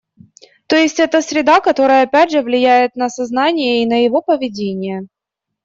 То есть это среда, которая опять же влияет на сознание и на его поведение